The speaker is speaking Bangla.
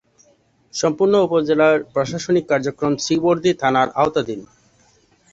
সম্পূর্ণ উপজেলার প্রশাসনিক কার্যক্রম শ্রীবরদী থানার আওতাধীন।